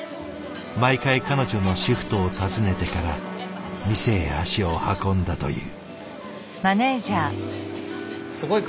毎回彼女のシフトを尋ねてから店へ足を運んだという。